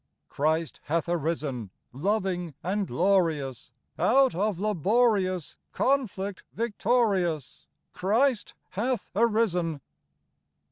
Christ hath arisen ! Loving and glorious, Out of laborious Conflict victorious, Christ hath arisen.